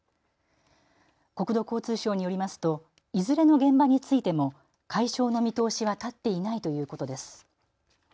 国土交通省によりますといずれの現場についても解消の見通しは立っていないということです。